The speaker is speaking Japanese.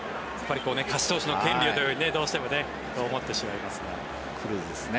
勝ち投手の権利をとどうしても思ってしまいますが。